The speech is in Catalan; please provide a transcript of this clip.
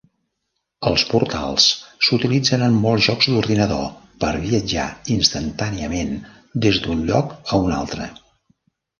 Els portals s'utilitzen en molts jocs d'ordinador per viatjar instantàniament des d'un lloc a un altre.